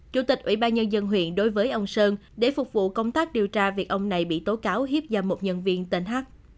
chủ tịch ủy ban nhân dân huyện đối với ông sơn để phục vụ công tác điều tra việc ông này bị tố cáo hiếp ra một nhân viên tên hát